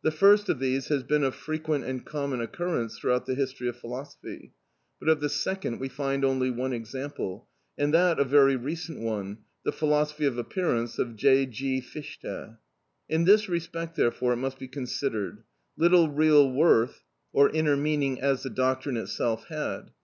The first of these has been of frequent and common occurrence throughout the history of philosophy, but of the second we find only one example, and that a very recent one; the "philosophy of appearance" of J. G. Fichte. In this respect, therefore, it must be considered; little real worth or inner meaning as the doctrine itself had.